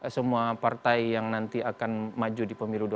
semua partai yang nanti akan maju di pemilu dua ribu dua puluh